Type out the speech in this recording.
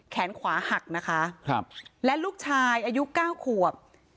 แขนขวาหักนะคะและลูกชายอายุเก้าขวบ